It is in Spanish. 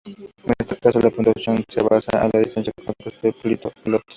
En este caso, la puntuación se basa en la distancia con otros pilotos.